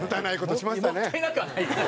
もったいなくはないよ。